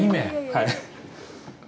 はい。